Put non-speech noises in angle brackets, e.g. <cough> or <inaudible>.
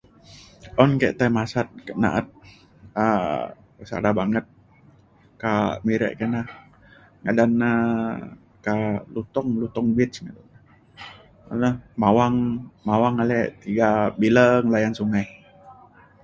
un ke tai masat kak na’at um sada banget kak Miri kina ngadan na ta Lutong Lutong beach na <unintelligible> mawang ale tiga bileng layan sungai